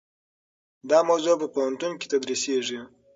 دا موضوع په پوهنتون کې تدریسیږي.